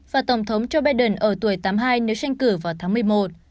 và tổng thống joe biden ở tuổi tám mươi hai nếu tranh cử vào tháng một mươi một